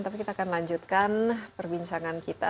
tapi kita akan lanjutkan perbincangan kita